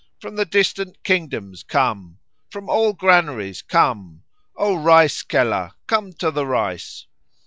From the distant kingdoms come. From all granaries come. O rice kelah, come to the rice."